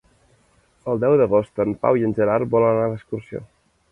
El deu d'agost en Pau i en Gerard volen anar d'excursió.